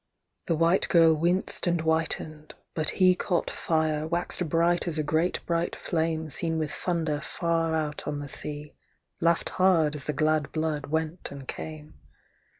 The white girl winced and whitened; but he Caught fire, waxed bright as a great bright flame Seen with thunder far out on the sea, Laughed hard as the glad blood went and came.